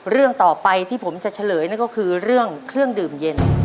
เรื่องต่อไปที่ผมจะเฉลยนั่นก็คือเรื่องเครื่องดื่มเย็น